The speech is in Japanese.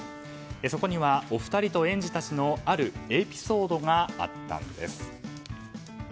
そこには、お二人と園児たちのあるエピソードがあったんです。